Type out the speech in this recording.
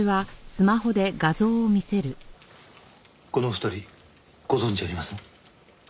この２人ご存じありません？